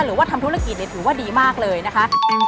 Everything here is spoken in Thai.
หรือว่าทำธุรกิจถือว่าดีมากเลยนะคะ